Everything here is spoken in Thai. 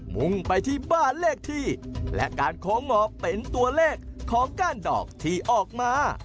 มุ่งไปที่บ้านเลขที่และการโค้งหมอกเป็นตัวเลขของก้านดอกที่ออกมา